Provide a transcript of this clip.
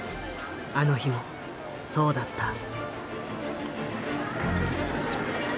あの日もそうだった。